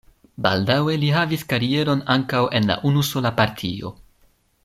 Baldaŭe li havis karieron ankaŭ en la unusola partio.